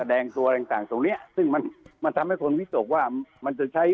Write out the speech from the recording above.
แดงตัวอะไรต่างตรงเนี้ยซึ่งมันมันทำให้คนวิตกว่ามันจะใช้